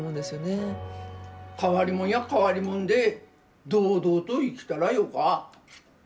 変わりもんや変わりもんで堂々と生きたらよか。